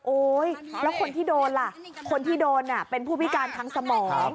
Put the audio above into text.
แล้วคนที่โดนล่ะคนที่โดนเป็นผู้พิการทางสมอง